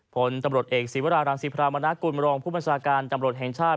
ผลตำรวจเอกศิวรารังศิพรามนากุลมรองผู้บัญชาการตำรวจแห่งชาติ